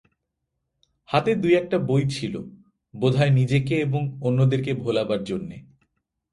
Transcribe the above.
হাতে দুই-একটা বই ছিল, বোধ হয় নিজেকে এবং অন্যদেরকে ভোলাবার জন্যে।